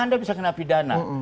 anda bisa kena pidana